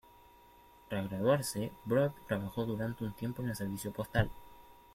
Tras graduarse, Brod trabajó durante un tiempo en el servicio postal.